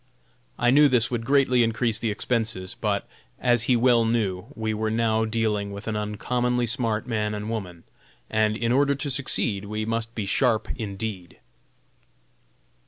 I knew this would greatly increase the expenses, but, as he well knew, we were now dealing with an uncommonly smart man and woman, and in order to succeed, we must be sharp indeed!